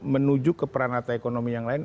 menuju ke peranata ekonomi yang lain